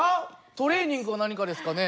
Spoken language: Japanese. トレーニングか何かですかね？